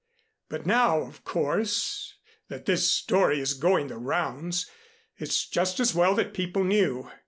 But now, of course, that this story is going the rounds, it's just as well that people knew.